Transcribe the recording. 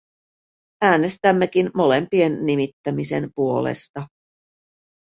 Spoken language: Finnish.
Äänestämmekin molempien nimittämisen puolesta.